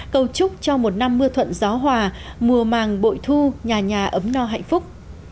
cầu chúc cho một năm mưa thuận gió hòa mùa màng bội thu nhà nhà ấm no hạnh phúc